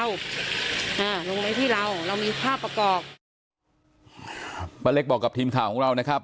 อ่าลงไว้ที่เราเรามีภาพประกอบป้าเล็กบอกกับทีมข่าวของเรานะครับ